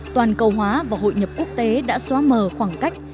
toàn cầu hóa và hội nhập quốc tế đã xóa mờ khoảng cách